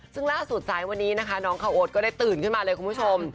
ซึ่งล่าสุดสายวันนี้นะคะน้องเขาโอ๊ตก็ได้ตื่นขึ้นมาเลยคุณผู้ชม